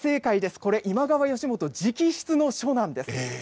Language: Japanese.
これ、今川義元直筆の書なんです。